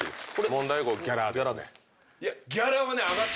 問題はギャラですね。